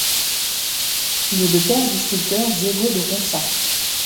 Il est le père du sculpteur Diego de Ronça.